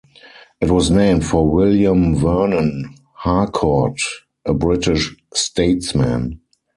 It was named for William Vernon Harcourt, a British statesman.